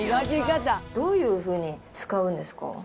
どういうふうに使うんですか？